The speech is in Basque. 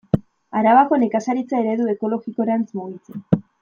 Arabako nekazaritza eredu ekologikorantz mugitzen.